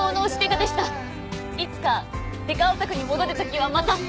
いつかデカオタクに戻る時はまた。